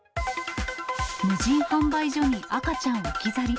無人販売所に赤ちゃん置き去り。